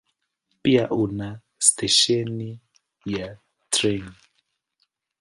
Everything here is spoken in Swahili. Pia una stesheni ya treni.